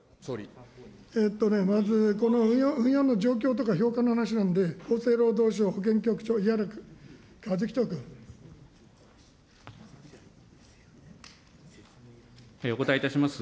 まず、このの状況とか評価の話なんで、厚生労働省保険局長、お答えいたします。